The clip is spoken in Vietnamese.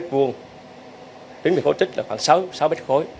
tính bị khối tích là khoảng sáu m hai